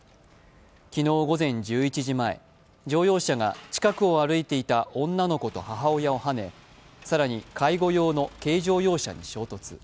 昨日午前１１時前、乗用車が近くを歩いていた女の子と母親をはね更に介護用の軽乗用車に衝突。